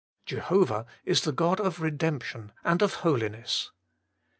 Jehovah is the God of Eedemption and of Holiness.